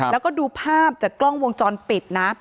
แล้วก็ดูภาพจากกล้องวงจรปิดนะ